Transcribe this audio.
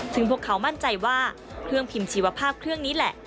ซึ่งพวกเขามั่นใจว่าเครื่องพิมพ์ชีวภาพเครื่องนี้แหละ